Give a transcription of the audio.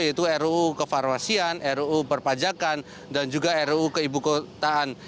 yaitu ruu kefarwasian ruu perpajakan dan juga ruu keibukotaan